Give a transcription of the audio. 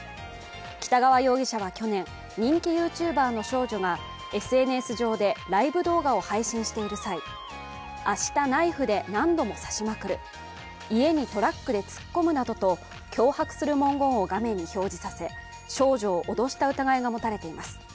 北川容疑者は去年、人気ＹｏｕＴｕｂｅｒの少女がＳＮＳ上でライブ動画を配信している際明日ナイフで何度も刺しまくる、家にトラックで突っ込むなどと脅迫する文言を画面に表示させ少女を脅した疑いが持たれています。